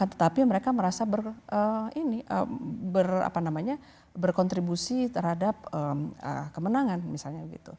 tetapi mereka merasa berkontribusi terhadap kemenangan misalnya